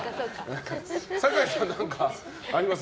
坂井さん、何かあります？